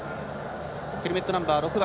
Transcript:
ヘルメットナンバー６番。